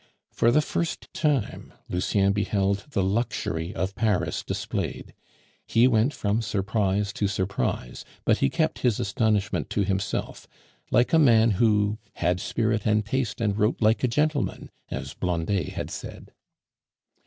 For the first time Lucien beheld the luxury of Paris displayed; he went from surprise to surprise, but he kept his astonishment to himself, like a man who had spirit and taste and wrote like a gentleman, as Blondet had said.